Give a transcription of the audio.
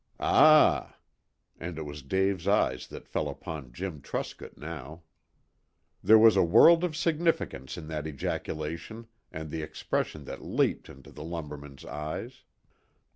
"Ah!" And it was Dave's eyes that fell upon Jim Truscott now. There was a world of significance in that ejaculation and the expression that leapt to the lumberman's eyes.